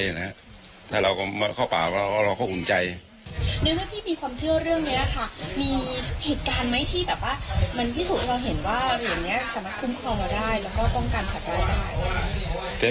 ที่รู้สึกจะพูดสถานกันพอได้